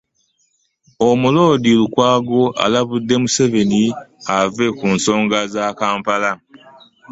Omuloodi Lukwago alabudde Museveni ave ku nsonga za Kampala.